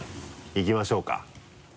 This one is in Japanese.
いきましょうか。